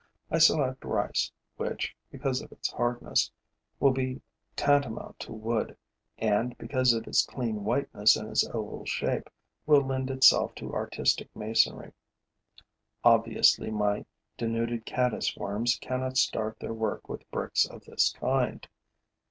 I select rice, which, because of its hardness, will be tantamount to wood and, because of its clean whiteness and its oval shape, will lend itself to artistic masonry. Obviously, my denuded caddis worms cannot start their work with bricks of this kind.